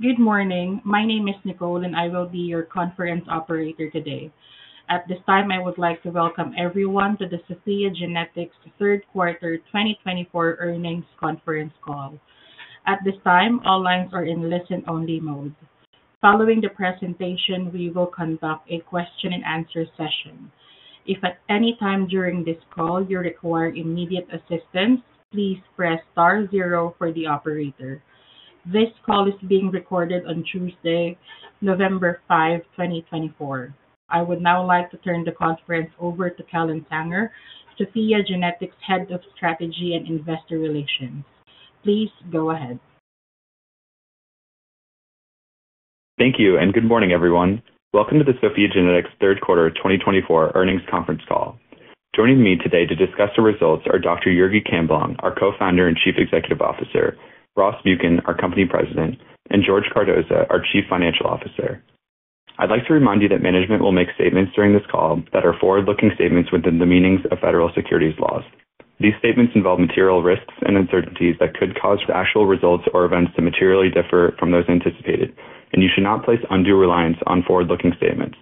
Good morning. My name is Nicole, and I will be your conference operator today. At this time, I would like to welcome everyone to the SOPHiA GENETICS 3rd Quarter 2024 earnings conference call. At this time, all lines are in listen-only mode. Following the presentation, we will conduct a question-and-answer session. If at any time during this call you require immediate assistance, please press star zero for the operator. This call is being recorded on Tuesday, November 5, 2024. I would now like to turn the conference over to Kellen Sanger, SOPHiA GENETICS Head of Strategy and Investor Relations. Please go ahead. Thank you, and good morning, everyone. Welcome to the SOPHiA GENETICS 3rd Quarter 2024 earnings conference call. Joining me today to discuss the results are Dr. Jurgi Camblong, our co-founder and Chief Executive Officer, Ross Muken, our President, and George Cardoza, our Chief Financial Officer. I'd like to remind you that management will make statements during this call that are forward-looking statements within the meanings of federal securities laws. These statements involve material risks and uncertainties that could cause actual results or events to materially differ from those anticipated, and you should not place undue reliance on forward-looking statements.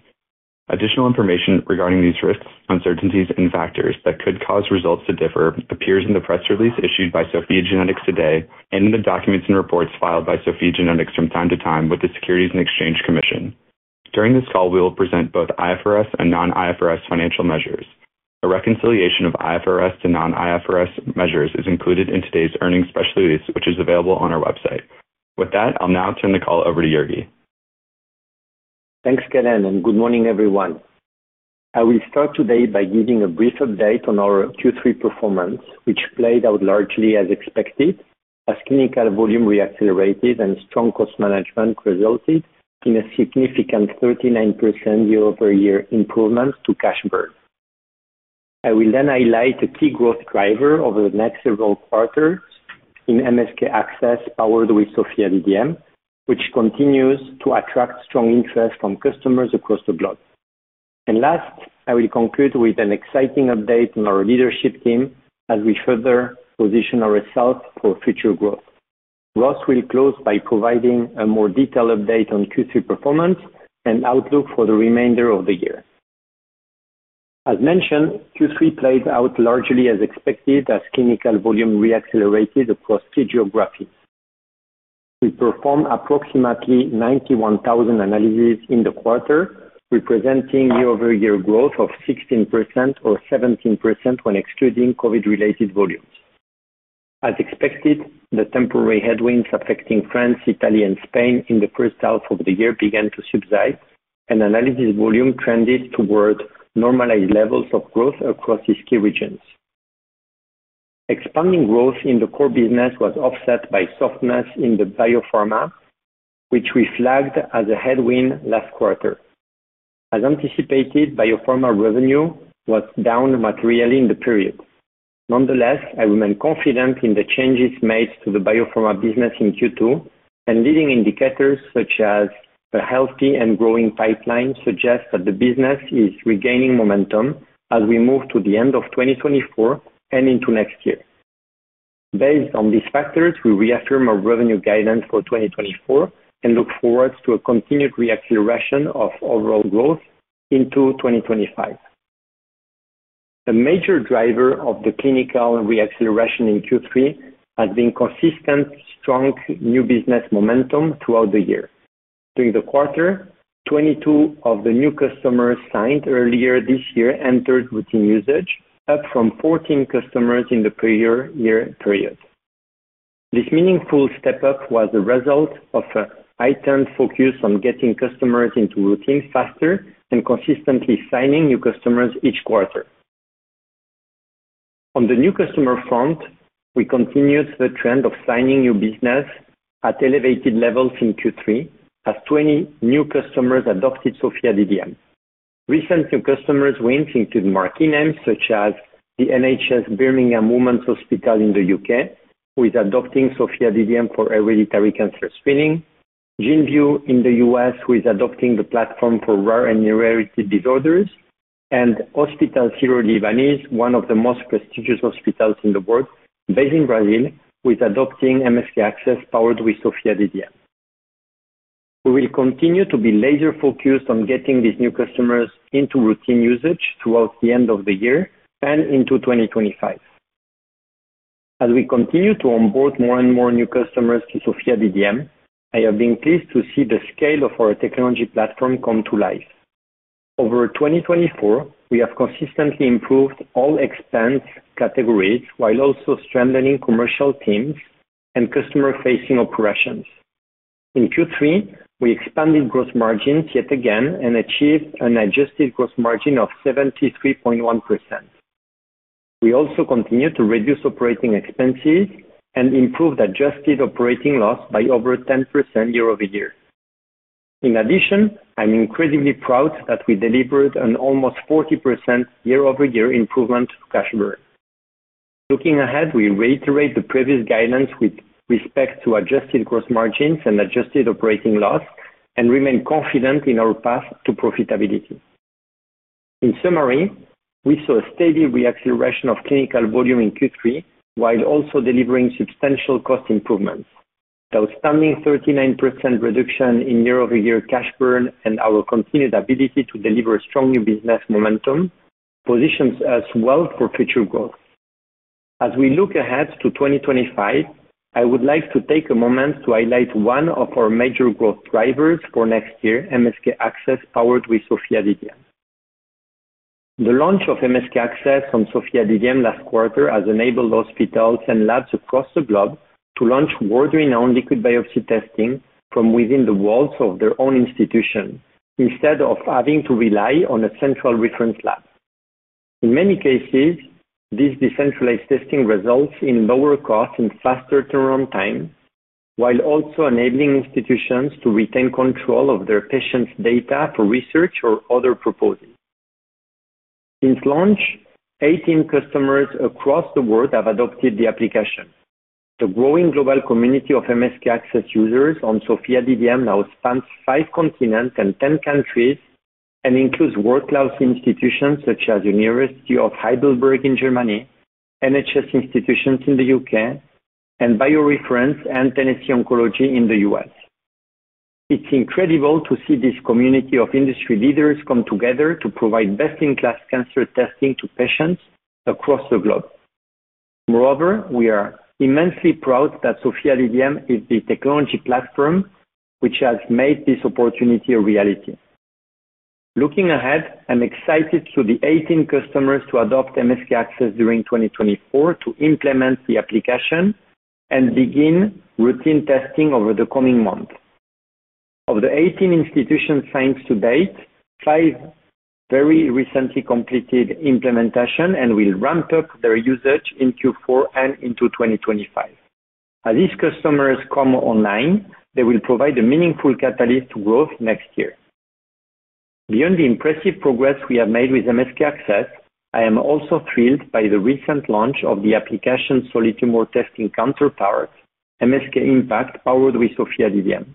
Additional information regarding these risks, uncertainties, and factors that could cause results to differ appears in the press release issued by SOPHiA GENETICS today and in the documents and reports filed by SOPHiA GENETICS from time to time with the Securities and Exchange Commission. During this call, we will present both IFRS and non-IFRS financial measures. A reconciliation of IFRS to non-IFRS measures is included in today's earnings special release, which is available on our website. With that, I'll now turn the call over to Jurgi. Thanks, Kellen, and good morning, everyone. I will start today by giving a brief update on our Q3 performance, which played out largely as expected, as clinical volume reaccelerated and strong cost management resulted in a significant 39% year-over-year improvement to cash burn. I will then highlight a key growth driver over the next several quarters in MSK-ACCESS powered with SOPHiA DDM, which continues to attract strong interest from customers across the globe. Last, I will conclude with an exciting update on our leadership team as we further position our results for future growth. Ross will close by providing a more detailed update on Q3 performance and outlook for the remainder of the year. As mentioned, Q3 played out largely as expected as clinical volume reaccelerated across key geographies. We performed approximately 91,000 analyses in the quarter, representing year-over-year growth of 16% or 17% when excluding COVID-related volumes. As expected, the temporary headwinds affecting France, Italy, and Spain in the first half of the year began to subside, and analysis volume trended toward normalized levels of growth across these key regions. Expanding growth in the core business was offset by softness in the biopharma, which we flagged as a headwind last quarter. As anticipated, biopharma revenue was down materially in the period. Nonetheless, I remain confident in the changes made to the biopharma business in Q2, and leading indicators such as a healthy and growing pipeline suggest that the business is regaining momentum as we move to the end of 2024 and into next year. Based on these factors, we reaffirm our revenue guidance for 2024 and look forward to a continued reacceleration of overall growth into 2025. A major driver of the clinical reacceleration in Q3 has been consistent, strong new business momentum throughout the year. During the quarter, 22 of the new customers signed earlier this year entered routine usage, up from 14 customers in the prior year period. This meaningful step-up was the result of a heightened focus on getting customers into routine faster and consistently signing new customers each quarter. On the new customer front, we continued the trend of signing new business at elevated levels in Q3, as 20 new customers adopted SOPHiA DDM. Recent new customers went into the market names such as the NHS Birmingham Women's Hospital in the U.K., who is adopting SOPHiA DDM for hereditary cancer screening. GeneView in the U.S., who is adopting the platform for rare and hereditary disorders. And Hospital Sírio-Libanês, one of the most prestigious hospitals in the world based in Brazil, who is adopting MSK-ACCESS powered with SOPHiA DDM. We will continue to be laser-focused on getting these new customers into routine usage throughout the end of the year and into 2025. As we continue to onboard more and more new customers to SOPHiA DDM, I have been pleased to see the scale of our technology platform come to life. Over 2024, we have consistently improved all expense categories while also strengthening commercial teams and customer-facing operations. In Q3, we expanded gross margins yet again and achieved an adjusted gross margin of 73.1%. We also continue to reduce operating expenses and improve adjusted operating loss by over 10% year-over-year. In addition, I'm incredibly proud that we delivered an almost 40% year-over-year improvement to cash burn. Looking ahead, we reiterate the previous guidance with respect to adjusted gross margins and adjusted operating loss and remain confident in our path to profitability. In summary, we saw a steady reacceleration of clinical volume in Q3 while also delivering substantial cost improvements. The outstanding 39% reduction in year-over-year cash burn and our continued ability to deliver strong new business momentum positions us well for future growth. As we look ahead to 2025, I would like to take a moment to highlight one of our major growth drivers for next year, MSK-ACCESS powered with SOPHiA DDM. The launch of MSK-ACCESS on SOPHiA DDM last quarter has enabled hospitals and labs across the globe to launch world-renowned liquid biopsy testing from within the walls of their own institution, instead of having to rely on a central reference lab. In many cases, this decentralized testing results in lower costs and faster turnaround time, while also enabling institutions to retain control of their patients' data for research or other purposes. Since launch, 18 customers across the world have adopted the application. The growing global community of MSK-ACCESS users on SOPHiA DDM now spans five continents and 10 countries and includes world-class institutions such as Heidelberg University Hospital in Germany, NHS institutions in the UK, and BioReference and Tennessee Oncology in the US. It's incredible to see this community of industry leaders come together to provide best-in-class cancer testing to patients across the globe. Moreover, we are immensely proud that SOPHiA DDM is the technology platform which has made this opportunity a reality. Looking ahead, I'm excited to see the 18 customers to adopt MSK-ACCESS during 2024 implement the application and begin routine testing over the coming months. Of the 18 institutions signed to date, five very recently completed implementation and will ramp up their usage in Q4 and into 2025. As these customers come online, they will provide a meaningful catalyst to growth next year. Beyond the impressive progress we have made with MSK-ACCESS, I am also thrilled by the recent launch of the application's solid tumor testing counterpart, MSK-IMPACT, powered with SOPHiA DDM.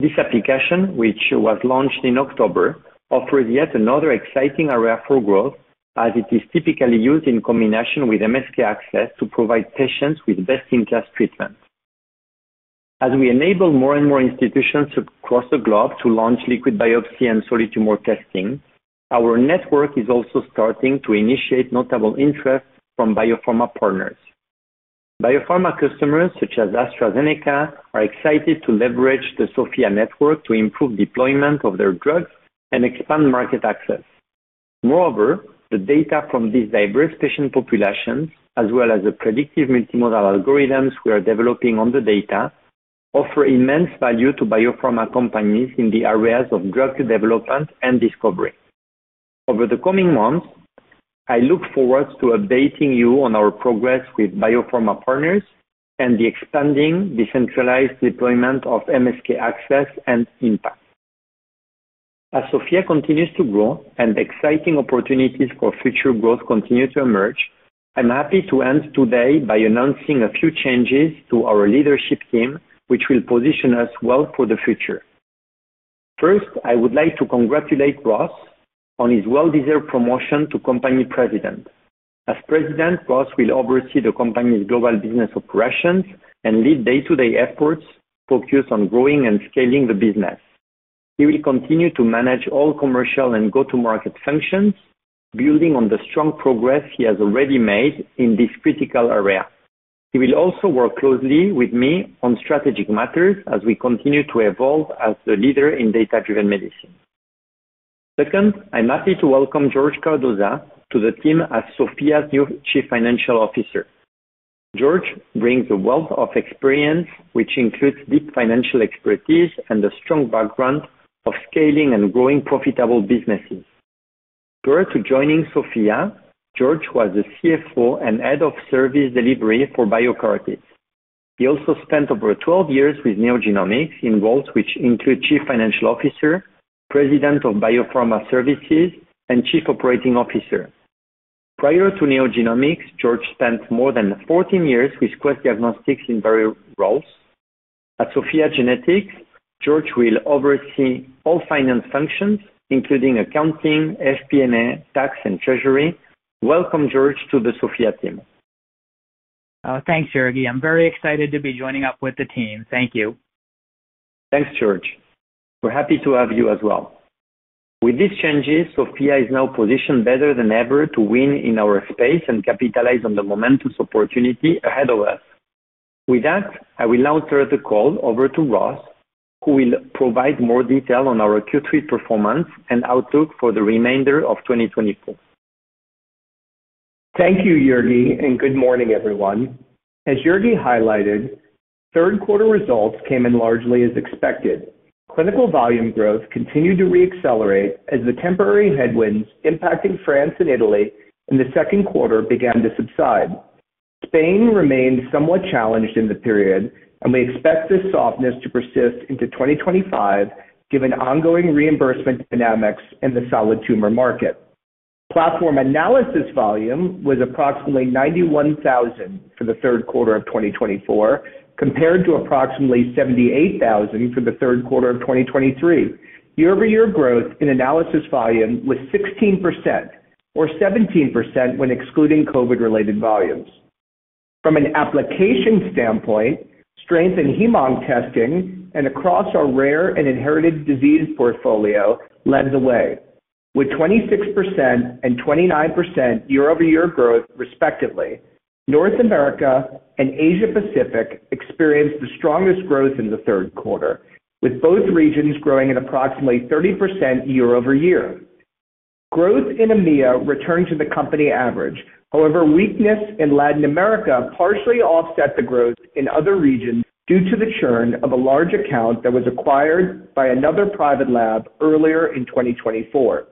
This application, which was launched in October, offers yet another exciting area for growth, as it is typically used in combination with MSK-ACCESS to provide patients with best-in-class treatment. As we enable more and more institutions across the globe to launch liquid biopsy and solid tumor testing, our network is also starting to initiate notable interest from biopharma partners. Biopharma customers such as AstraZeneca are excited to leverage the SOPHiA network to improve deployment of their drugs and expand market access. Moreover, the data from these diverse patient populations, as well as the predictive multimodal algorithms we are developing on the data, offer immense value to biopharma companies in the areas of drug development and discovery. Over the coming months, I look forward to updating you on our progress with biopharma partners and the expanding decentralized deployment of MSK-ACCESS and MSK-IMPACT. As SOPHiA continues to grow and exciting opportunities for future growth continue to emerge, I'm happy to end today by announcing a few changes to our leadership team, which will position us well for the future. First, I would like to congratulate Ross on his well-deserved promotion to Company President. As President, Ross will oversee the company's global business operations and lead day-to-day efforts focused on growing and scaling the business. He will continue to manage all commercial and go-to-market functions, building on the strong progress he has already made in this critical area. He will also work closely with me on strategic matters as we continue to evolve as the leader in data-driven medicine. Second, I'm happy to welcome George Cardoza to the team as SOPHiA's new Chief Financial Officer. George brings a wealth of experience, which includes deep financial expertise and a strong background of scaling and growing profitable businesses. Prior to joining SOPHiA, George was the CFO and head of service delivery for Biocartis. He also spent over 12 years with NeoGenomics in roles which include chief financial officer, president of biopharma services, and chief operating officer. Prior to NeoGenomics, George spent more than 14 years with Quest Diagnostics in various roles. At SOPHiA GENETICS, George will oversee all finance functions, including accounting, FP&A, tax, and treasury. Welcome, George, to the SOPHiA team. Thanks, Jurgi. I'm very excited to be joining up with the team. Thank you. Thanks, George. We're happy to have you as well. With these changes, SOPHiA is now positioned better than ever to win in our space and capitalize on the momentous opportunity ahead of us. With that, I will now turn the call over to Ross, who will provide more detail on our Q3 performance and outlook for the remainder of 2024. Thank you, Jurgi, and good morning, everyone. As Jurgi highlighted, third-quarter results came in largely as expected. Clinical volume growth continued to reaccelerate as the temporary headwinds impacting France and Italy in the second quarter began to subside. Spain remained somewhat challenged in the period, and we expect this softness to persist into 2025, given ongoing reimbursement dynamics in the solid tumor market. Platform analysis volume was approximately 91,000 for the third quarter of 2024, compared to approximately 78,000 for the third quarter of 2023. Year-over-year growth in analysis volume was 16%, or 17% when excluding COVID-related volumes. From an application standpoint, strength in Hem/Onc testing and across our rare and inherited disease portfolio led the way. With 26% and 29% year-over-year growth, respectively, North America and Asia-Pacific experienced the strongest growth in the third quarter, with both regions growing at approximately 30% year-over-year. Growth in EMEA returned to the company average. However, weakness in Latin America partially offset the growth in other regions due to the churn of a large account that was acquired by another private lab earlier in 2024.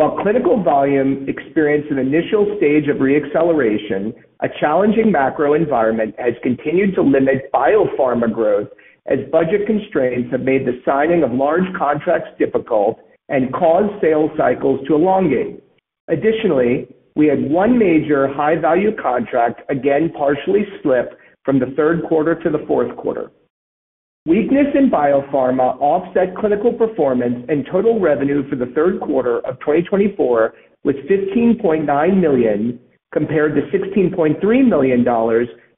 While clinical volume experienced an initial stage of reacceleration, a challenging macro environment has continued to limit biopharma growth, as budget constraints have made the signing of large contracts difficult and caused sales cycles to elongate. Additionally, we had one major high-value contract again partially slip from the third quarter to the fourth quarter. Weakness in biopharma offset clinical performance and total revenue for the third quarter of 2024, with $15.9 million compared to $16.3 million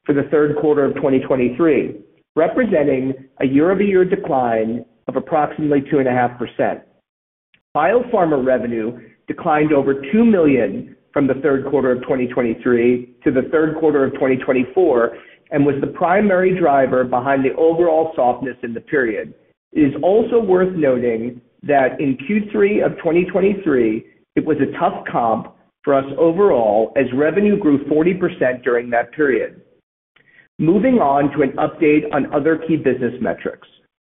for the third quarter of 2023, representing a year-over-year decline of approximately 2.5%. Biopharma revenue declined over $2 million from the third quarter of 2023 to the third quarter of 2024 and was the primary driver behind the overall softness in the period. It is also worth noting that in Q3 of 2023, it was a tough comp for us overall, as revenue grew 40% during that period. Moving on to an update on other key business metrics.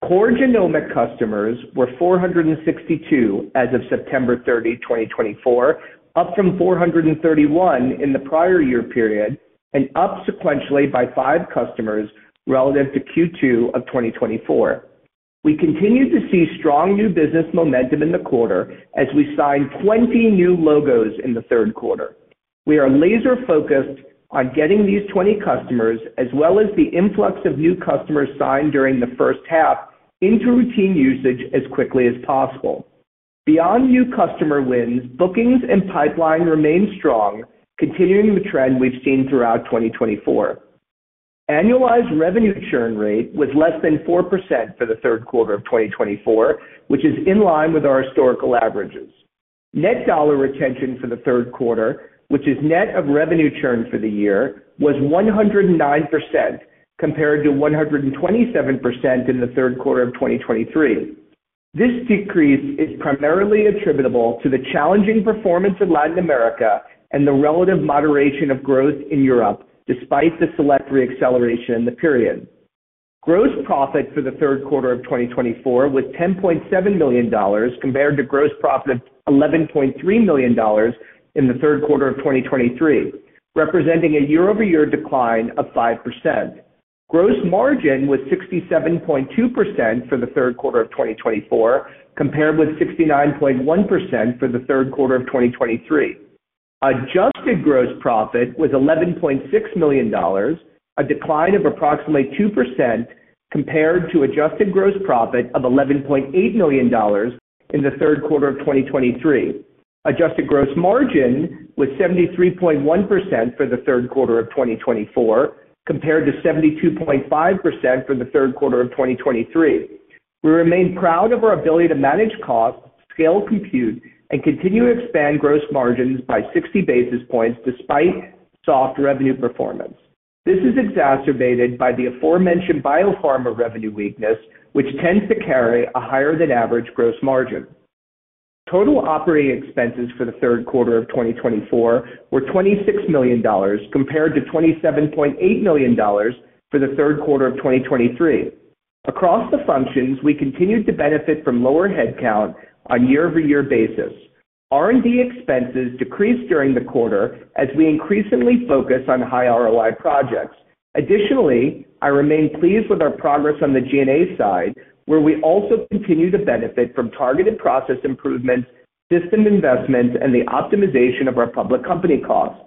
Core genomic customers were 462 as of September 30, 2024, up from 431 in the prior year period and up sequentially by five customers relative to Q2 of 2024. We continue to see strong new business momentum in the quarter as we sign 20 new logos in the third quarter. We are laser-focused on getting these 20 customers, as well as the influx of new customers signed during the first half, into routine usage as quickly as possible. Beyond new customer wins, bookings and pipeline remain strong, continuing the trend we've seen throughout 2024. Annualized revenue churn rate was less than 4% for the third quarter of 2024, which is in line with our historical averages. Net dollar retention for the third quarter, which is net of revenue churn for the year, was 109% compared to 127% in the third quarter of 2023. This decrease is primarily attributable to the challenging performance in Latin America and the relative moderation of growth in Europe, despite the select reacceleration in the period. Gross profit for the third quarter of 2024 was $10.7 million compared to gross profit of $11.3 million in the third quarter of 2023, representing a year-over-year decline of 5%. Gross margin was 67.2% for the third quarter of 2024, compared with 69.1% for the third quarter of 2023. Adjusted gross profit was $11.6 million, a decline of approximately 2% compared to adjusted gross profit of $11.8 million in the third quarter of 2023. Adjusted gross margin was 73.1% for the third quarter of 2024, compared to 72.5% for the third quarter of 2023. We remain proud of our ability to manage costs, scale compute, and continue to expand gross margins by 60 basis points despite soft revenue performance. This is exacerbated by the aforementioned biopharma revenue weakness, which tends to carry a higher-than-average gross margin. Total operating expenses for the third quarter of 2024 were $26 million compared to $27.8 million for the third quarter of 2023. Across the functions, we continued to benefit from lower headcount on a year-over-year basis. R&D expenses decreased during the quarter as we increasingly focused on high ROI projects. Additionally, I remain pleased with our progress on the G&A side, where we also continue to benefit from targeted process improvements, system investments, and the optimization of our public company costs.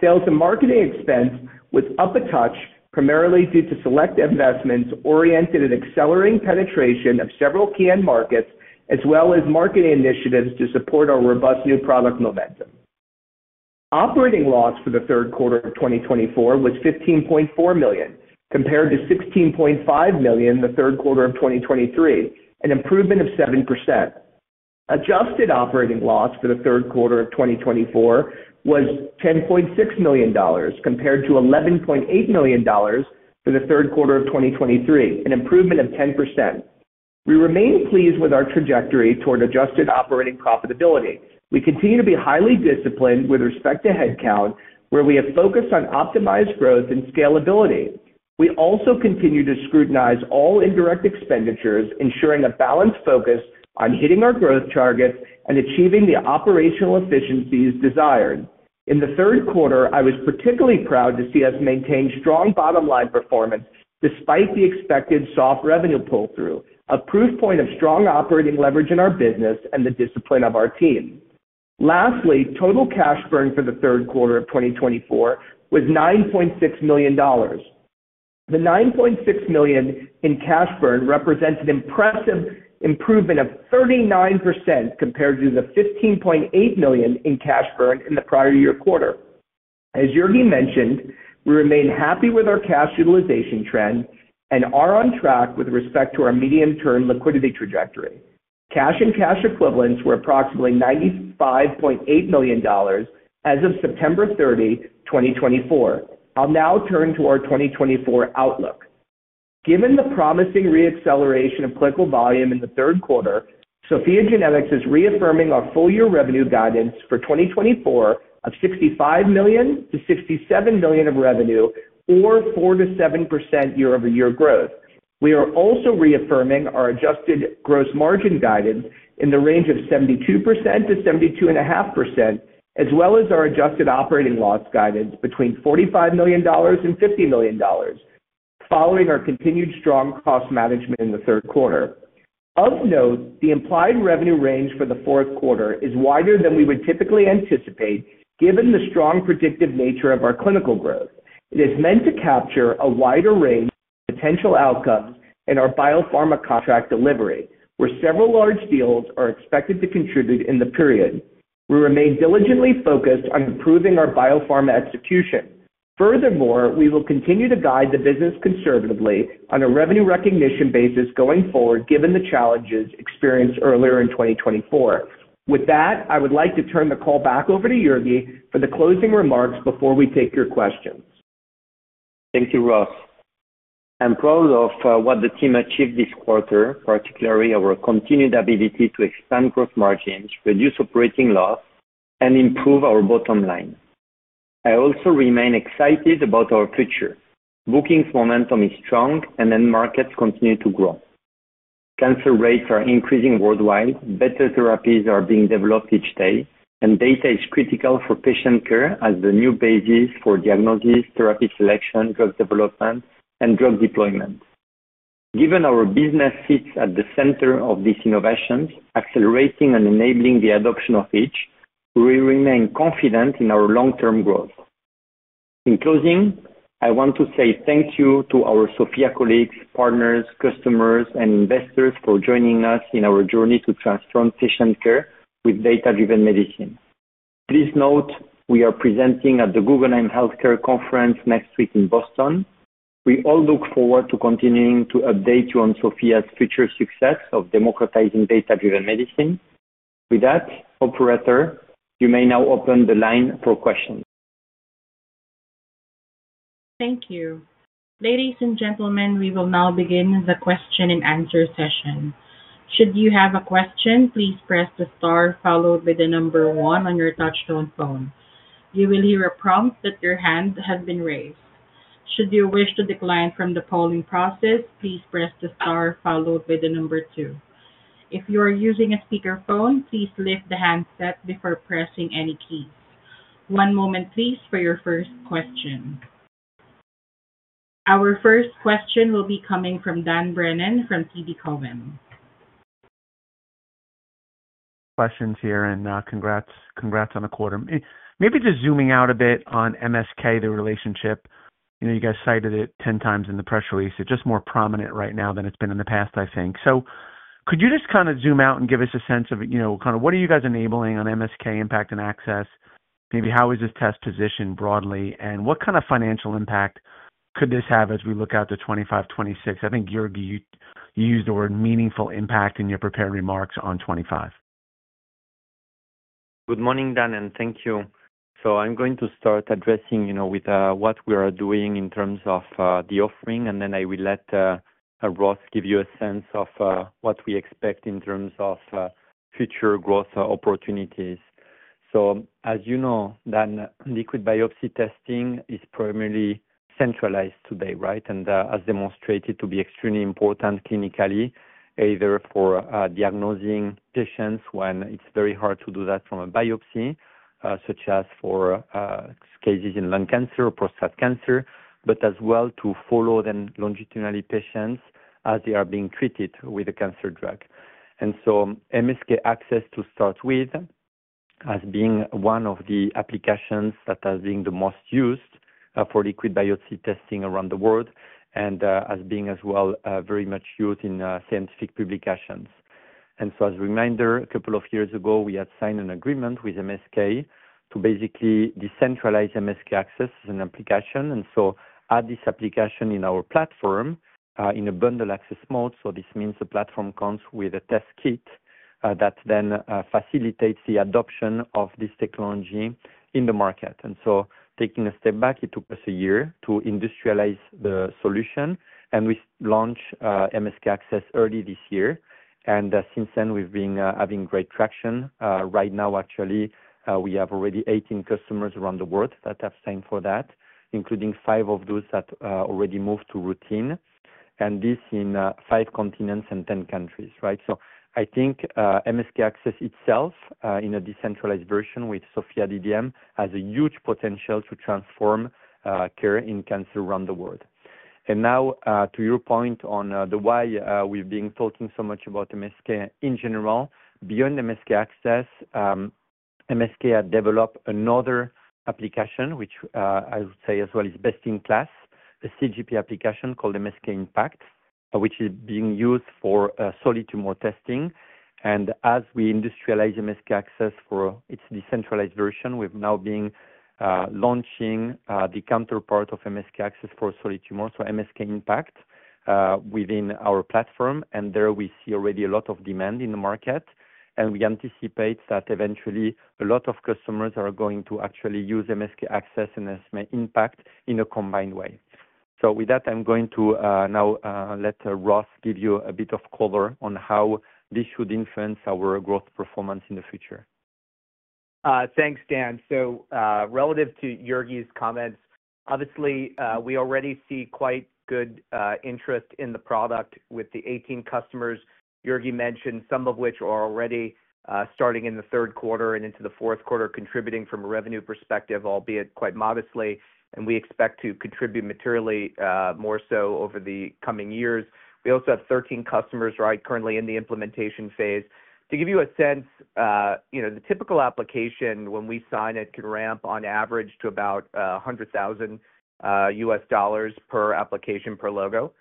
Sales and marketing expense was up a touch, primarily due to select investments oriented at accelerating penetration of several key end markets, as well as marketing initiatives to support our robust new product momentum. Operating loss for the third quarter of 2024 was $15.4 million compared to $16.5 million in the third quarter of 2023, an improvement of 7%. Adjusted operating loss for the third quarter of 2024 was $10.6 million compared to $11.8 million for the third quarter of 2023, an improvement of 10%. We remain pleased with our trajectory toward adjusted operating profitability. We continue to be highly disciplined with respect to headcount, where we have focused on optimized growth and scalability. We also continue to scrutinize all indirect expenditures, ensuring a balanced focus on hitting our growth targets and achieving the operational efficiencies desired. In the third quarter, I was particularly proud to see us maintain strong bottom-line performance despite the expected soft revenue pull-through, a proof point of strong operating leverage in our business and the discipline of our team. Lastly, total cash burn for the third quarter of 2024 was $9.6 million. The $9.6 million in cash burn represents an impressive improvement of 39% compared to the $15.8 million in cash burn in the prior year quarter. As Jurgi mentioned, we remain happy with our cash utilization trend and are on track with respect to our medium-term liquidity trajectory. Cash and cash equivalents were approximately $95.8 million as of September 30, 2024. I'll now turn to our 2024 outlook. Given the promising reacceleration of clinical volume in the third quarter, SOPHiA GENETICS is reaffirming our full-year revenue guidance for 2024 of $65 million-$67 million of revenue, or 4%-7% year-over-year growth. We are also reaffirming our adjusted gross margin guidance in the range of 72%-72.5%, as well as our adjusted operating loss guidance between $45 million and $50 million, following our continued strong cost management in the third quarter. Of note, the implied revenue range for the fourth quarter is wider than we would typically anticipate, given the strong predictive nature of our clinical growth. It is meant to capture a wider range of potential outcomes in our biopharma contract delivery, where several large deals are expected to contribute in the period. We remain diligently focused on improving our biopharma execution. Furthermore, we will continue to guide the business conservatively on a revenue recognition basis going forward, given the challenges experienced earlier in 2024. With that, I would like to turn the call back over to Jurgi for the closing remarks before we take your questions. Thank you, Ross. I'm proud of what the team achieved this quarter, particularly our continued ability to expand gross margins, reduce operating loss, and improve our bottom line. I also remain excited about our future. Bookings momentum is strong, and end markets continue to grow. Cancer rates are increasing worldwide, better therapies are being developed each day, and data is critical for patient care as the new basis for diagnosis, therapy selection, drug development, and drug deployment. Given our business sits at the center of these innovations, accelerating and enabling the adoption of each, we remain confident in our long-term growth. In closing, I want to say thank you to our SOPHiA colleagues, partners, customers, and investors for joining us in our journey to transform patient care with data-driven medicine. Please note we are presenting at the Guggenheim Healthcare Conference next week in Boston. We all look forward to continuing to update you on SOPHiA's future success of democratizing data-driven medicine. With that, Operator, you may now open the line for questions. Thank you. Ladies and gentlemen, we will now begin the question-and-answer session. Should you have a question, please press the star followed by the number one on your touch-tone phone. You will hear a prompt that your hand has been raised. Should you wish to decline from the polling process, please press the star followed by the number two. If you are using a speakerphone, please lift the handset before pressing any keys. One moment, please, for your first question. Our first question will be coming from Dan Brennan from TD Cowen. Questions here, and congrats on the quarter. Maybe just zooming out a bit on MSK, the relationship. You guys cited it 10 times in the press release. It's just more prominent right now than it's been in the past, I think. So could you just kind of zoom out and give us a sense of kind of what are you guys enabling on MSK-IMPACT and MSK-ACCESS? Maybe how is this test positioned broadly, and what kind of financial impact could this have as we look out to 2025-2026? I think, Jurgi, you used the word meaningful impact in your prepared remarks on 2025. Good morning, Dan, and thank you. I'm going to start addressing with what we are doing in terms of the offering, and then I will let Ross give you a sense of what we expect in terms of future growth opportunities. As you know, Dan, liquid biopsy testing is primarily centralized today, right? And as demonstrated, to be extremely important clinically, either for diagnosing patients when it's very hard to do that from a biopsy, such as for cases in lung cancer or prostate cancer, but as well to follow then longitudinally patients as they are being treated with a cancer drug. And so MSK-ACCESS, to start with, as being one of the applications that has been the most used for liquid biopsy testing around the world, and as being as well very much used in scientific publications. As a reminder, a couple of years ago, we had signed an agreement with MSK to basically decentralize MSK-ACCESS as an application, and so add this application in our platform in a bundle access mode. So this means the platform comes with a test kit that then facilitates the adoption of this technology in the market. Taking a step back, it took us a year to industrialize the solution, and we launched MSK-ACCESS early this year. And since then, we've been having great traction. Right now, actually, we have already 18 customers around the world that have signed for that, including five of those that already moved to routine, and this in five continents and 10 countries, right? So I think MSK-ACCESS itself, in a decentralized version with SOPHiA DDM, has a huge potential to transform care in cancer around the world. And now, to your point on the why we've been talking so much about MSK in general, beyond MSK-ACCESS, MSK had developed another application, which I would say as well is best in class, a CGP application called MSK-IMPACT, which is being used for solid tumor testing. And as we industrialize MSK-ACCESS for its decentralized version, we've now been launching the counterpart of MSK-ACCESS for solid tumor, so MSK-IMPACT, within our platform. And there we see already a lot of demand in the market, and we anticipate that eventually a lot of customers are going to actually use MSK-ACCESS and MSK-IMPACT in a combined way. So with that, I'm going to now let Ross give you a bit of cover on how this should influence our growth performance in the future. Thanks, Dan. So relative to Jurgi's comments, obviously, we already see quite good interest in the product with the 18 customers Jurgi mentioned, some of which are already starting in the third quarter and into the fourth quarter contributing from a revenue perspective, albeit quite modestly, and we expect to contribute materially more so over the coming years. We also have 13 customers currently in the implementation phase. To give you a sense, the typical application, when we sign it, can ramp on average to about $100,000 per application per logo.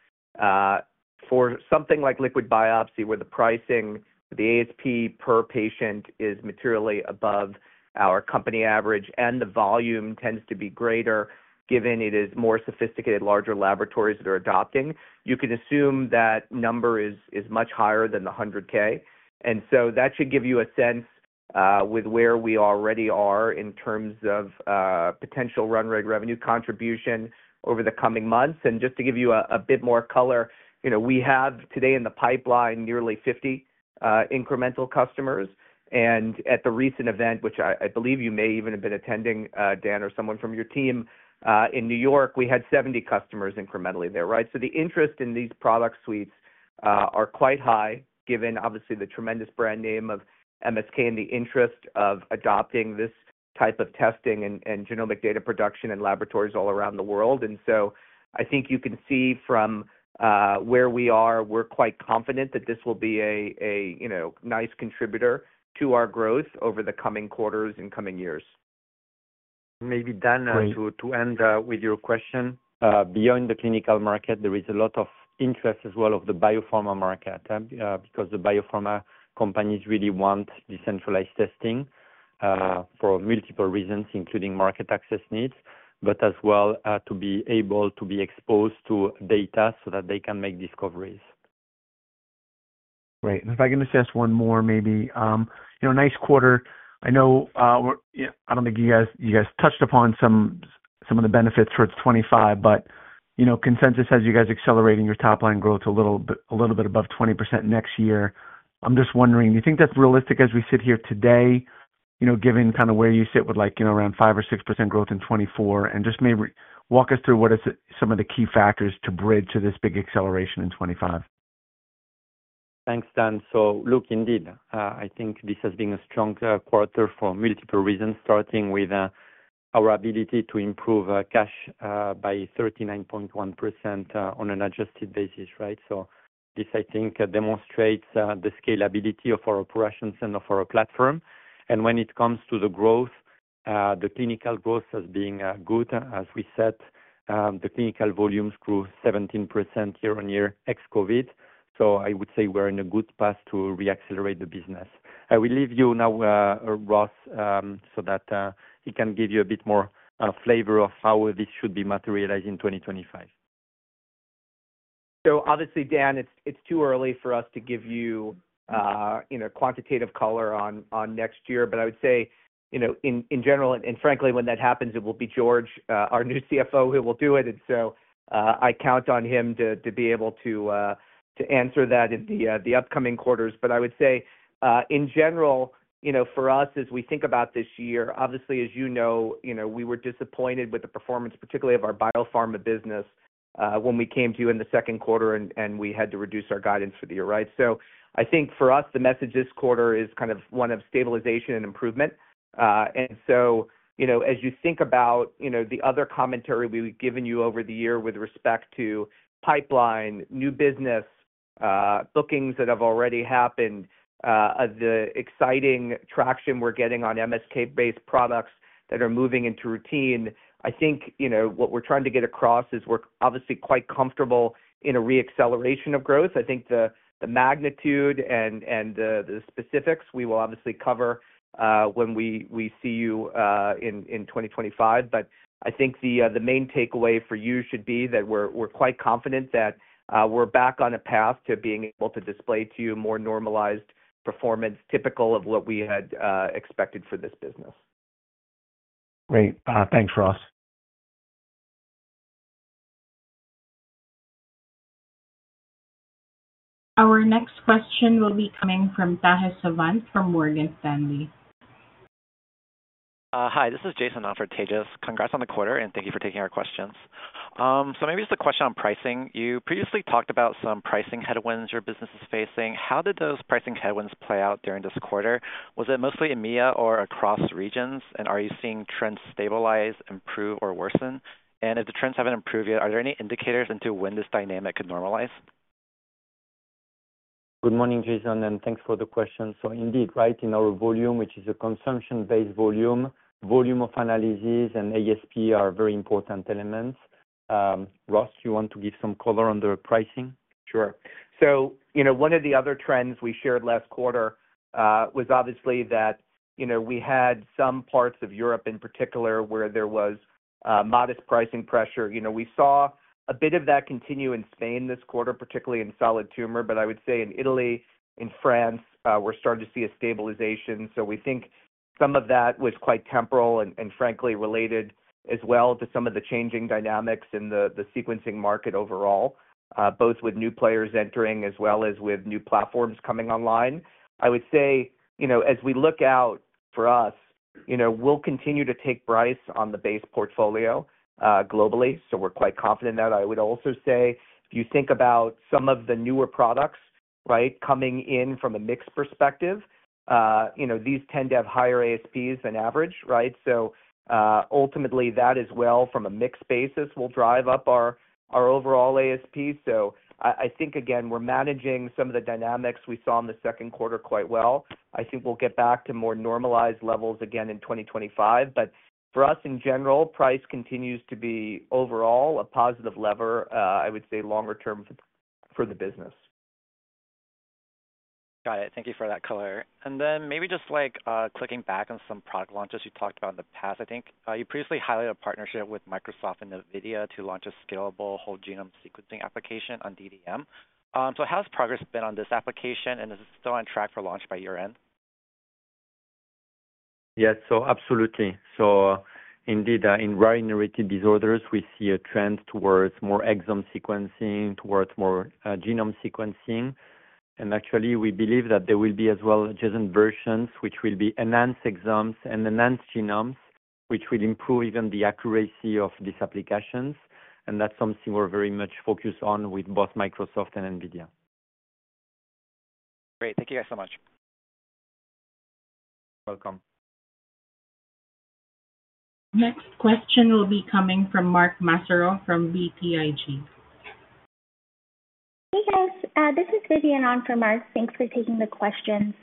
For something like liquid biopsy, where the pricing, the ASP per patient is materially above our company average, and the volume tends to be greater given it is more sophisticated, larger laboratories that are adopting, you can assume that number is much higher than the $100K. And so that should give you a sense with where we already are in terms of potential run rate revenue contribution over the coming months. And just to give you a bit more color, we have today in the pipeline nearly 50 incremental customers. And at the recent event, which I believe you may even have been attending, Dan, or someone from your team in New York, we had 70 customers incrementally there, right? So the interest in these product suites are quite high, given obviously the tremendous brand name of MSK and the interest of adopting this type of testing and genomic data production in laboratories all around the world. And so I think you can see from where we are, we're quite confident that this will be a nice contributor to our growth over the coming quarters and coming years. Maybe, Dan, to end with your question, beyond the clinical market, there is a lot of interest as well of the biopharma market because the biopharma companies really want decentralized testing for multiple reasons, including market access needs, but as well to be able to be exposed to data so that they can make discoveries. Great. And if I can just ask one more, maybe nice quarter. I know I don't think you guys touched upon some of the benefits for it's 2025, but consensus has you guys accelerating your top-line growth a little bit above 20% next year. I'm just wondering, do you think that's realistic as we sit here today, given kind of where you sit with around 5% or 6% growth in 2024? And just maybe walk us through what are some of the key factors to bridge to this big acceleration in 2025. Thanks, Dan. So look, indeed, I think this has been a strong quarter for multiple reasons, starting with our ability to improve cash by 39.1% on an adjusted basis, right? So this, I think, demonstrates the scalability of our operations and of our platform. And when it comes to the growth, the clinical growth has been good. As we said, the clinical volumes grew 17% year-on-year ex-COVID. So I would say we're in a good path to reaccelerate the business. I will leave you now, Ross, so that he can give you a bit more flavor of how this should be materializing in 2025. So obviously, Dan, it's too early for us to give you quantitative color on next year, but I would say, in general, and frankly, when that happens, it will be George, our new CFO, who will do it. And so I count on him to be able to answer that in the upcoming quarters. But I would say, in general, for us, as we think about this year, obviously, as you know, we were disappointed with the performance, particularly of our biopharma business when we came to you in the second quarter, and we had to reduce our guidance for the year, right? So I think for us, the message this quarter is kind of one of stabilization and improvement. And so as you think about the other commentary we've given you over the year with respect to pipeline, new business, bookings that have already happened, the exciting traction we're getting on MSK-based products that are moving into routine, I think what we're trying to get across is we're obviously quite comfortable in a reacceleration of growth. I think the magnitude and the specifics we will obviously cover when we see you in 2025. But I think the main takeaway for you should be that we're quite confident that we're back on a path to being able to display to you more normalized performance typical of what we had expected for this business. Great. Thanks, Ross. Our next question will be coming from Tejas Savant from Morgan Stanley. Hi, this is Tejas Savant. Congrats on the quarter, and thank you for taking our questions, so maybe just a question on pricing. You previously talked about some pricing headwinds your business is facing. How did those pricing headwinds play out during this quarter? Was it mostly EMEA or across regions, and are you seeing trends stabilize, improve, or worsen, and if the trends haven't improved yet, are there any indicators into when this dynamic could normalize? Good morning, Jason, and thanks for the question. So indeed, right, in our volume, which is a consumption-based volume, volume of analysis and ASP are very important elements. Ross, do you want to give some color on the pricing? Sure. So one of the other trends we shared last quarter was obviously that we had some parts of Europe in particular where there was modest pricing pressure. We saw a bit of that continue in Spain this quarter, particularly in solid tumor, but I would say in Italy, in France, we're starting to see a stabilization. So we think some of that was quite temporal and frankly related as well to some of the changing dynamics in the sequencing market overall, both with new players entering as well as with new platforms coming online. I would say, as we look out for us, we'll continue to take price on the base portfolio globally. So we're quite confident in that. I would also say, if you think about some of the newer products, right, coming in from a mixed perspective, these tend to have higher ASPs than average, right? So ultimately, that as well from a mixed basis will drive up our overall ASP. So I think, again, we're managing some of the dynamics we saw in the second quarter quite well. I think we'll get back to more normalized levels again in 2025. But for us in general, price continues to be overall a positive lever, I would say, longer term for the business. Got it. Thank you for that color. Maybe just clicking back on some product launches you talked about in the past. I think you previously highlighted a partnership with Microsoft and NVIDIA to launch a scalable whole genome sequencing application on DDM. How has progress been on this application, and is it still on track for launch by year-end? Yes. So absolutely. So indeed, in rare inherited disorders, we see a trend towards more exome sequencing, towards more genome sequencing. And actually, we believe that there will be as well JSON versions, which will be enhanced exomes and enhanced genomes, which will improve even the accuracy of these applications. And that's something we're very much focused on with both Microsoft and NVIDIA. Great. Thank you guys so much. You're welcome. Next question will be coming from Mark Massaro from BTIG. Hey, guys. This is Vidyun on for Mark. Thanks for taking the questions.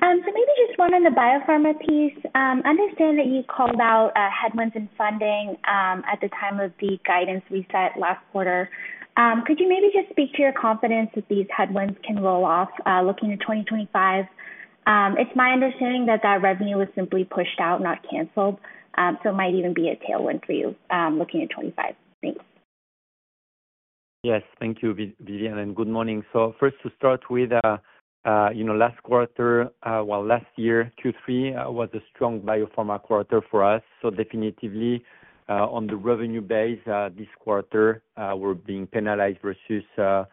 So maybe just one on the biopharma piece. I understand that you called out headwinds in funding at the time of the guidance we set last quarter. Could you maybe just speak to your confidence that these headwinds can roll off looking to 2025? It's my understanding that that revenue was simply pushed out, not canceled, so it might even be a tailwind for you looking at 2025. Thanks. Yes. Thank you, Vidyun, and good morning, so first to start with, last quarter, well, last year, Q3 was a strong biopharma quarter for us, so definitely, on the revenue base, this quarter, we're being penalized versus the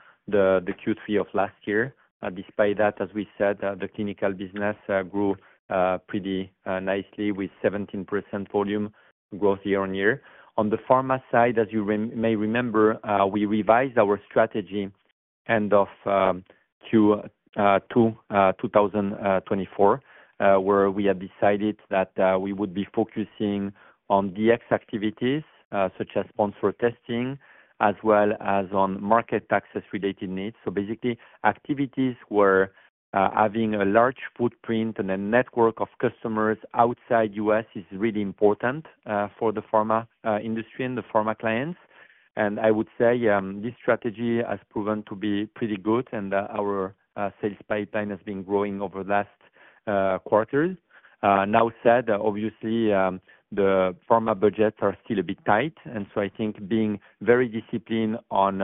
Q3 of last year. Despite that, as we said, the clinical business grew pretty nicely with 17% volume growth year-on-year. On the pharma side, as you may remember, we revised our strategy end of Q2 2024, where we had decided that we would be focusing on DX activities such as sponsored testing, as well as on market access-related needs, so basically, activities where having a large footprint and a network of customers outside the U.S. is really important for the pharma industry and the pharma clients, and I would say this strategy has proven to be pretty good, and our sales pipeline has been growing over the last quarter. As said, obviously, the pharma budgets are still a bit tight, and so I think being very disciplined on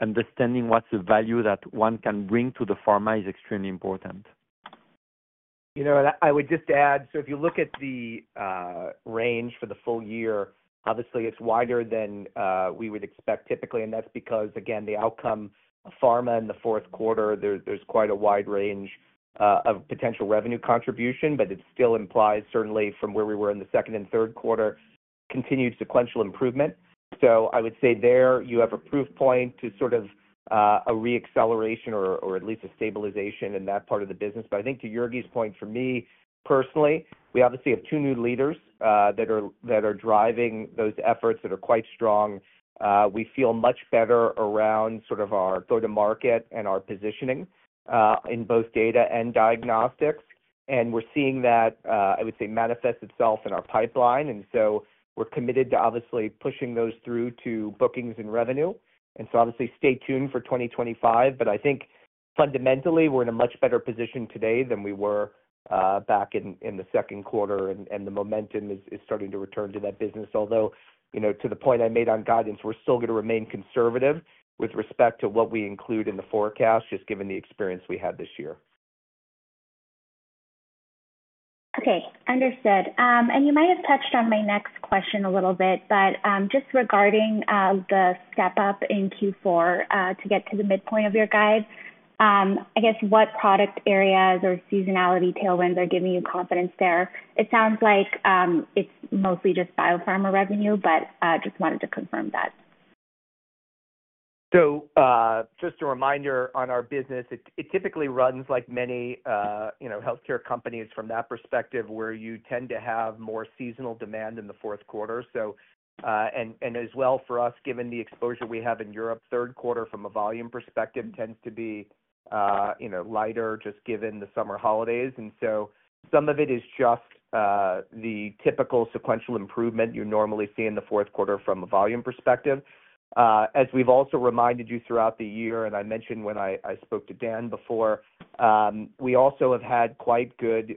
understanding what's the value that one can bring to the pharma is extremely important. I would just add, so if you look at the range for the full year, obviously, it's wider than we would expect typically, and that's because, again, the outcome of pharma in the fourth quarter. There's quite a wide range of potential revenue contribution, but it still implies, certainly, from where we were in the second and third quarter, continued sequential improvement. I would say there you have a proof point to sort of a reacceleration or at least a stabilization in that part of the business. I think to Jurgi's point, for me personally, we obviously have two new leaders that are driving those efforts that are quite strong. We feel much better around sort of our go-to-market and our positioning in both data and diagnostics. We're seeing that, I would say, manifest itself in our pipeline. And so we're committed to obviously pushing those through to bookings and revenue. And so obviously, stay tuned for 2025. But I think fundamentally, we're in a much better position today than we were back in the second quarter, and the momentum is starting to return to that business. Although, to the point I made on guidance, we're still going to remain conservative with respect to what we include in the forecast, just given the experience we had this year. Okay. Understood. And you might have touched on my next question a little bit, but just regarding the step-up in Q4 to get to the midpoint of your guide, I guess what product areas or seasonality tailwinds are giving you confidence there? It sounds like it's mostly just biopharma revenue, but just wanted to confirm that. So just a reminder on our business. It typically runs like many healthcare companies from that perspective, where you tend to have more seasonal demand in the fourth quarter. And as well, for us, given the exposure we have in Europe, third quarter from a volume perspective tends to be lighter just given the summer holidays. And so some of it is just the typical sequential improvement you normally see in the fourth quarter from a volume perspective. As we've also reminded you throughout the year, and I mentioned when I spoke to Dan before, we also have had quite good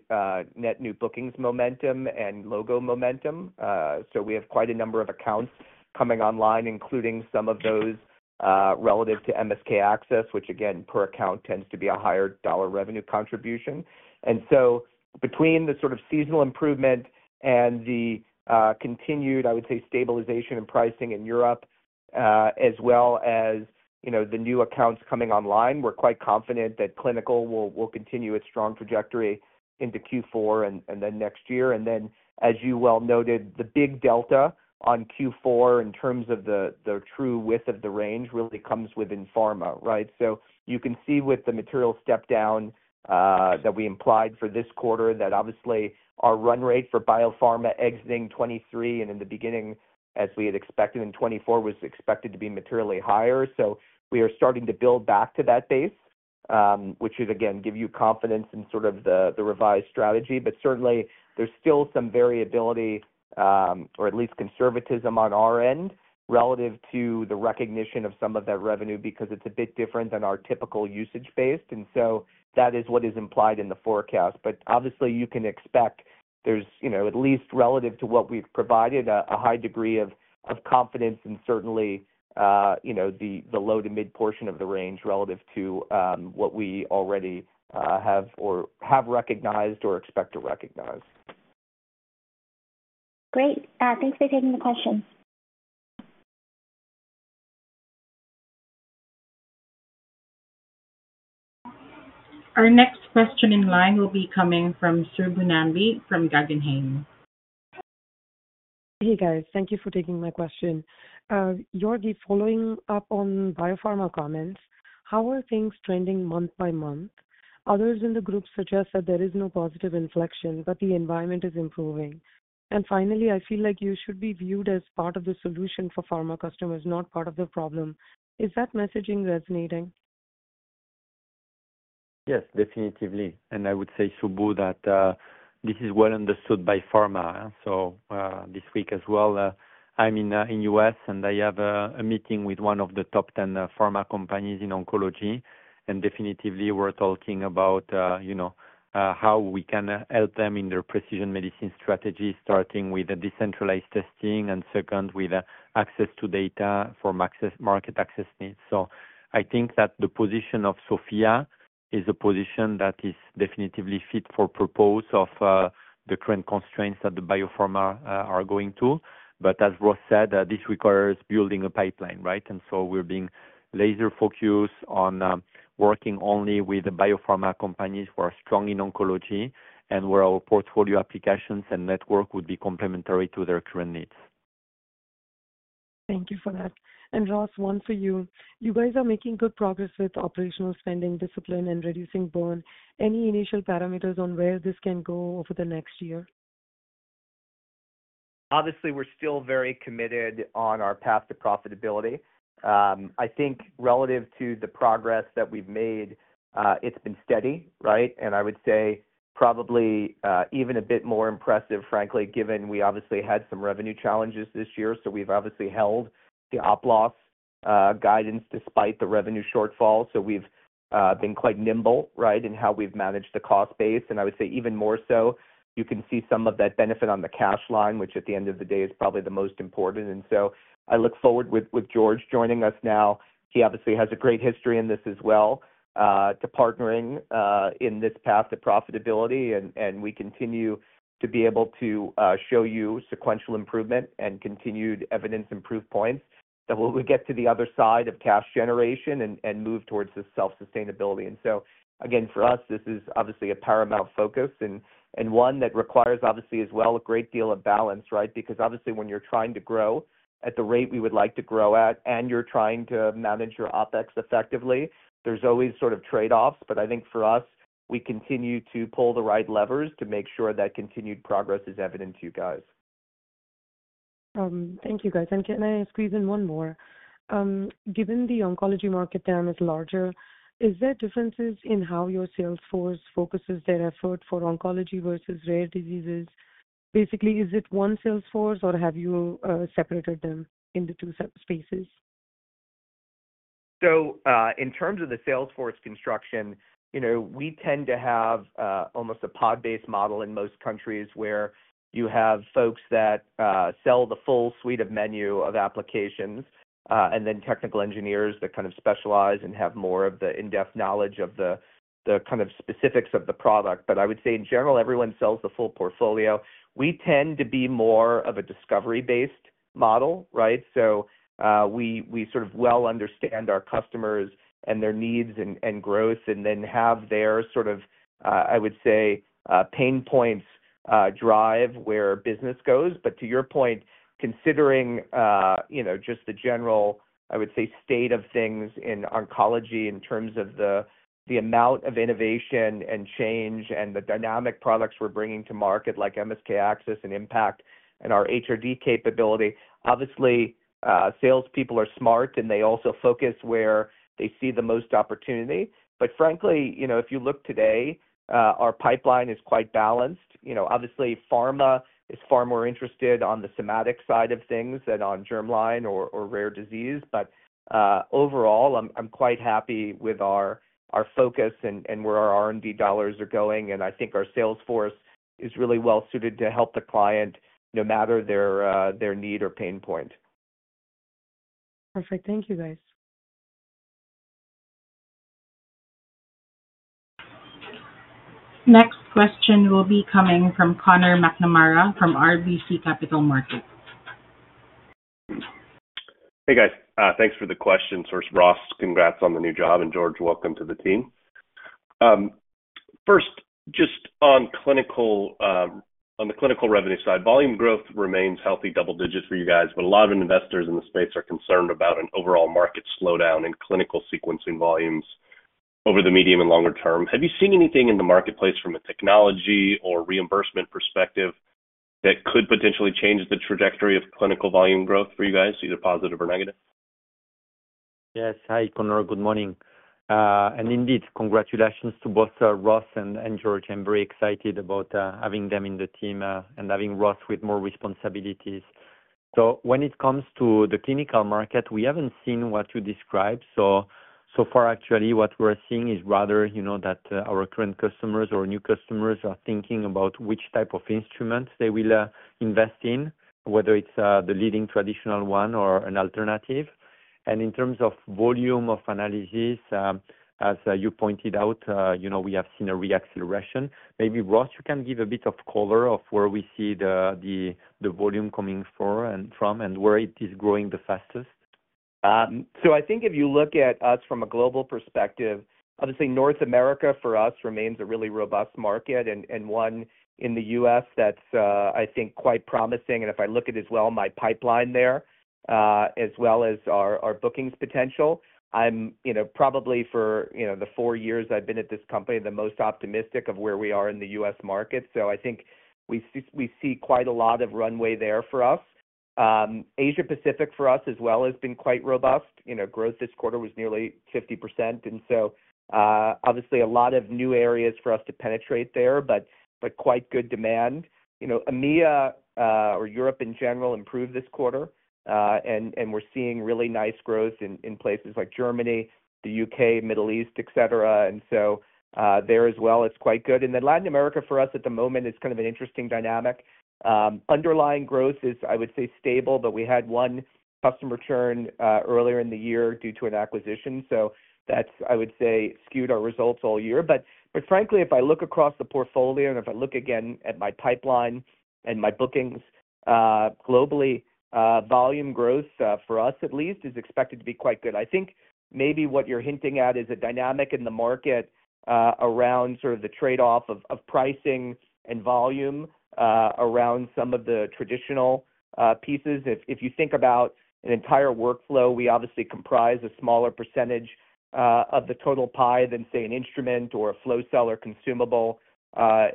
net new bookings momentum and logo momentum. So we have quite a number of accounts coming online, including some of those relative to MSK-ACCESS, which, again, per account tends to be a higher dollar revenue contribution. And so between the sort of seasonal improvement and the continued, I would say, stabilization in pricing in Europe, as well as the new accounts coming online, we're quite confident that clinical will continue its strong trajectory into Q4 and then next year. And then, as you well noted, the big delta on Q4 in terms of the true width of the range really comes within pharma, right? So you can see with the material step-down that we implied for this quarter that obviously our run rate for biopharma exiting 2023 and in the beginning, as we had expected in 2024, was expected to be materially higher. So we are starting to build back to that base, which would, again, give you confidence in sort of the revised strategy. But certainly, there's still some variability or at least conservatism on our end relative to the recognition of some of that revenue because it's a bit different than our typical usage base. And so that is what is implied in the forecast. But obviously, you can expect there's at least relative to what we've provided a high degree of confidence in certainly the low to mid portion of the range relative to what we already have or have recognized or expect to recognize. Great. Thanks for taking the question. Our next question in line will be coming from Subbu Nambi from Guggenheim Securities. Hey, guys. Thank you for taking my question. Jurgi, following up on biopharma comments, how are things trending month by month? Others in the group suggest that there is no positive inflection, but the environment is improving. And finally, I feel like you should be viewed as part of the solution for pharma customers, not part of the problem. Is that messaging resonating? Yes, definitely. And I would say, Subbu, that this is well understood by pharma. So this week as well, I'm in the U.S., and I have a meeting with one of the top 10 pharma companies in oncology. And definitely, we're talking about how we can help them in their precision medicine strategy, starting with decentralized testing and second with access to data for market access needs. So I think that the position of SOPHiA is a position that is definitely fit for the purpose of the current constraints that the biopharma are going to. But as Ross said, this requires building a pipeline, right? And so we're being laser-focused on working only with the biopharma companies who are strong in oncology and where our portfolio applications and network would be complementary to their current needs. Thank you for that. And Ross, one for you. You guys are making good progress with operational spending, discipline, and reducing burn. Any initial parameters on where this can go over the next year? Obviously, we're still very committed on our path to profitability. I think relative to the progress that we've made, it's been steady, right, and I would say probably even a bit more impressive, frankly, given we obviously had some revenue challenges this year, so we've obviously held the OPLOS guidance despite the revenue shortfall, so we've been quite nimble, right, in how we've managed the cost base, and I would say even more so, you can see some of that benefit on the cash line, which at the end of the day is probably the most important, and so I look forward with George joining us now. He obviously has a great history in this as well to partnering in this path to profitability. We continue to be able to show you sequential improvement and continued evidence and proof points that we'll get to the other side of cash generation and move towards the self-sustainability. So again, for us, this is obviously a paramount focus and one that requires obviously as well a great deal of balance, right? Because obviously, when you're trying to grow at the rate we would like to grow at and you're trying to manage your OpEx effectively, there's always sort of trade-offs. But I think for us, we continue to pull the right levers to make sure that continued progress is evident to you guys. Thank you, guys. I'm going to squeeze in one more. Given the oncology market demand is larger, is there differences in how your sales force focuses their effort for oncology versus rare diseases? Basically, is it one sales force or have you separated them into two spaces? So in terms of the sales force construction, we tend to have almost a pod-based model in most countries where you have folks that sell the full suite of menu of applications and then technical engineers that kind of specialize and have more of the in-depth knowledge of the kind of specifics of the product. But I would say in general, everyone sells the full portfolio. We tend to be more of a discovery-based model, right? So we sort of well understand our customers and their needs and growth and then have their sort of, I would say, pain points drive where business goes. But to your point, considering just the general, I would say, state of things in oncology in terms of the amount of innovation and change and the dynamic products we're bringing to market like MSK-ACCESS and MSK-IMPACT and our HRD capability, obviously, salespeople are smart and they also focus where they see the most opportunity. But frankly, if you look today, our pipeline is quite balanced. Obviously, pharma is far more interested on the somatic side of things than on germline or rare disease. But overall, I'm quite happy with our focus and where our R&D dollars are going. And I think our sales force is really well suited to help the client no matter their need or pain point. Perfect. Thank you, guys. Next question will be coming from Conor McNamara from RBC Capital Markets. Hey, guys. Thanks for the question. So, Ross, congrats on the new job. And George, welcome to the team. First, just on the clinical revenue side, volume growth remains healthy double digits for you guys, but a lot of investors in the space are concerned about an overall market slowdown in clinical sequencing volumes over the medium and longer term. Have you seen anything in the marketplace from a technology or reimbursement perspective that could potentially change the trajectory of clinical volume growth for you guys, either positive or negative? Yes. Hi, Conor. Good morning. And indeed, congratulations to both Ross and George. I'm very excited about having them in the team and having Ross with more responsibilities. So when it comes to the clinical market, we haven't seen what you described. So far, actually, what we're seeing is rather that our current customers or new customers are thinking about which type of instruments they will invest in, whether it's the leading traditional one or an alternative. And in terms of volume of analysis, as you pointed out, we have seen a reacceleration. Maybe Ross, you can give a bit of color of where we see the volume coming from and where it is growing the fastest? I think if you look at us from a global perspective, obviously, North America for us remains a really robust market and one in the U.S. that's, I think, quite promising. And if I look at as well my pipeline there, as well as our bookings potential, I'm probably for the four years I've been at this company, the most optimistic of where we are in the U.S. market. So I think we see quite a lot of runway there for us. Asia-Pacific for us as well has been quite robust. Growth this quarter was nearly 50%. And so obviously, a lot of new areas for us to penetrate there, but quite good demand. EMEA or Europe in general improved this quarter, and we're seeing really nice growth in places like Germany, the U.K., Middle East, etc. And so there as well, it's quite good. Then Latin America for us at the moment is kind of an interesting dynamic. Underlying growth is, I would say, stable, but we had one customer churn earlier in the year due to an acquisition. So that's, I would say, skewed our results all year. But frankly, if I look across the portfolio and if I look again at my pipeline and my bookings globally, volume growth for us at least is expected to be quite good. I think maybe what you're hinting at is a dynamic in the market around sort of the trade-off of pricing and volume around some of the traditional pieces. If you think about an entire workflow, we obviously comprise a smaller percentage of the total pie than, say, an instrument or a flow cell or consumable,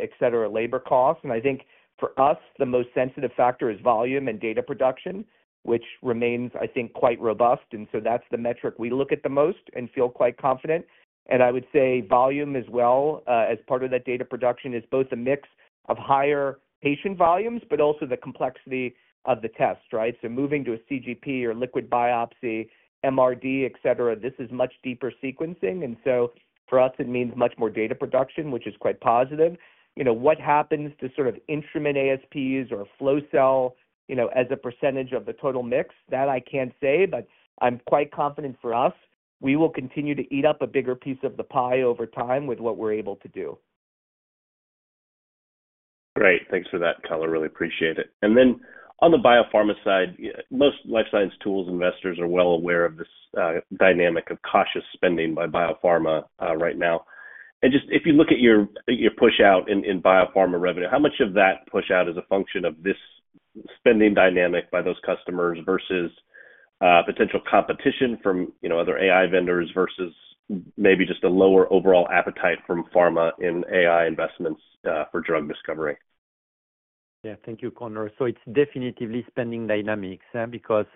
etc., labor costs. I think for us, the most sensitive factor is volume and data production, which remains, I think, quite robust. That's the metric we look at the most and feel quite confident. I would say volume as well as part of that data production is both a mix of higher patient volumes, but also the complexity of the test, right? Moving to a CGP or liquid biopsy, MRD, etc., this is much deeper sequencing. For us, it means much more data production, which is quite positive. What happens to sort of instrument ASPs or flow cell as a percentage of the total mix, that I can't say, but I'm quite confident for us, we will continue to eat up a bigger piece of the pie over time with what we're able to do. Great. Thanks for that, color. Really appreciate it. And then on the biopharma side, most life science tools investors are well aware of this dynamic of cautious spending by biopharma right now. And just if you look at your push-out in biopharma revenue, how much of that push-out is a function of this spending dynamic by those customers versus potential competition from other AI vendors versus maybe just a lower overall appetite from pharma in AI investments for drug discovery? Yeah. Thank you, Connor. So it's definitely spending dynamics because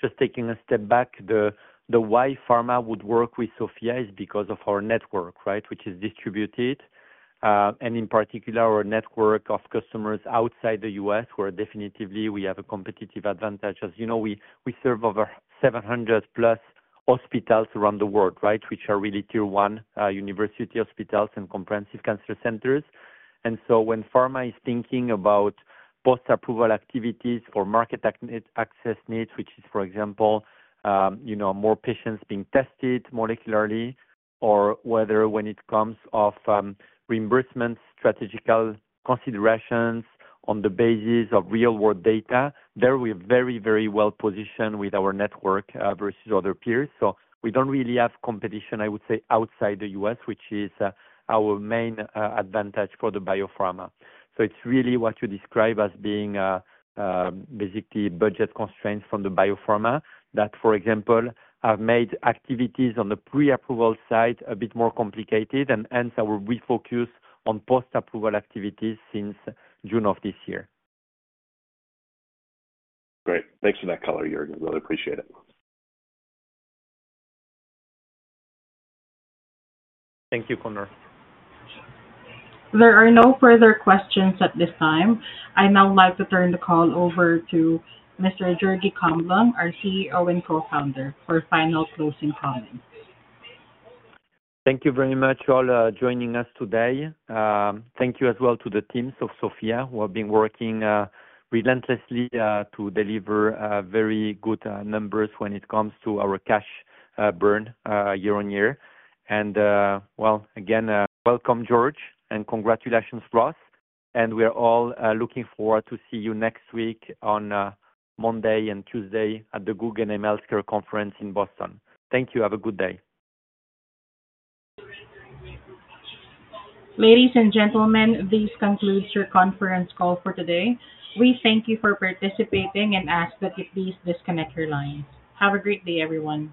just taking a step back, the why pharma would work with SOPHiA is because of our network, right, which is distributed. And in particular, our network of customers outside the U.S., where definitely we have a competitive advantage. As you know, we serve over 700-plus hospitals around the world, right, which are really tier-one university hospitals and comprehensive cancer centers. And so when pharma is thinking about post-approval activities for market access needs, which is, for example, more patients being tested molecularly or whether when it comes to reimbursement, strategical considerations on the basis of real-world data, there we are very, very well positioned with our network versus other peers. So we don't really have competition, I would say, outside the U.S., which is our main advantage for the biopharma. It's really what you describe as being basically budget constraints from the biopharma that, for example, have made activities on the pre-approval side a bit more complicated, and hence, I will refocus on post-approval activities since June of this year. Great. Thanks for that, color. Jurgi. Really appreciate it. Thank you, Connor. There are no further questions at this time. I now like to turn the call over to Mr. Jurgi Camblong, our CEO and co-founder, for final closing comments. Thank you very much for joining us today. Thank you as well to the teams of SOPHiA who have been working relentlessly to deliver very good numbers when it comes to our cash burn year on year. Again, welcome, George, and congratulations, Ross. We are all looking forward to seeing you next week on Monday and Tuesday at the Guggenheim Healthcare Conference in Boston. Thank you. Have a good day. Ladies and gentlemen, this concludes your conference call for today. We thank you for participating and ask that you please disconnect your lines. Have a great day, everyone.